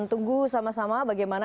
tunggu sama sama bagaimana